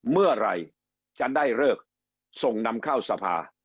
เมื่อไหร่จะได้เลิกส่งนำเข้าสภา